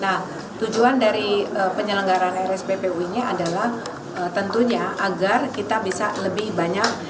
nah tujuan dari penyelenggaraan rsppu ini adalah tentunya agar kita bisa lebih banyak